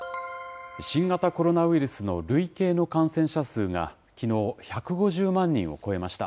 新型コロナウイルスの累計の感染者数がきのう１５０万人を超えました。